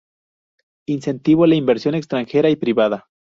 Incentivo la inversión extranjera y privada.